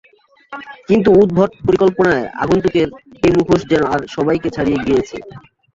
কিন্তু উদ্ভট পরিকল্পনায় আগন্তুকের এ মুখোশ যেন আর সবাইকে ছাড়িয়ে গিয়েছে।